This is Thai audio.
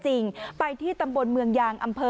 สองสามีภรรยาคู่นี้มีอาชีพ